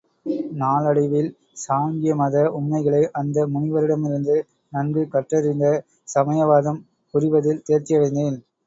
நாளடைவில் சாங்கியமத உண்மைகளை அந்த முனிவரிடமிருந்து நன்கு கற்றறிந்து சமயவாதம் புரிவதில் தேர்ச்சியடைந்தேன்.